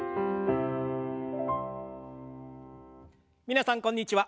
皆さんこんにちは。